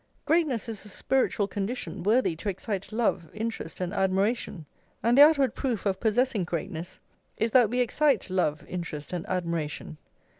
Greatness is a spiritual condition worthy to excite love, interest, and admiration; and the outward proof of possessing greatness is that we excite love, interest, and admiration.